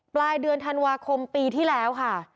ปลายเดือนธันวาคมปีที่แล้วค่ะ